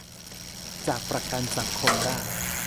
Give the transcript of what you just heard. จากประกันสังคมได้